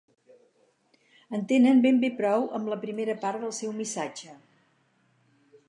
En tenen ben bé prou amb la primera part del seu missatge.